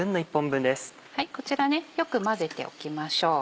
こちらよく混ぜておきましょう。